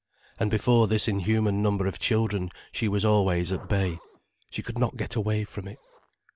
And before this inhuman number of children she was always at bay. She could not get away from it.